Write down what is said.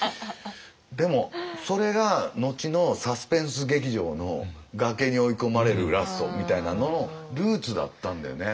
でもそれが後のサスペンス劇場の崖に追い込まれるラストみたいなののルーツだったんだよね。